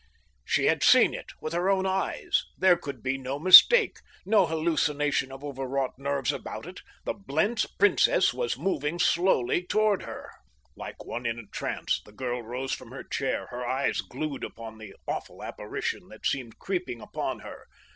She had seen it with her own eyes. There could be no mistake—no hallucination of overwrought nerves about it. The Blentz Princess was moving slowly toward her! Like one in a trance the girl rose from her chair, her eyes glued upon the awful apparition that seemed creeping upon her.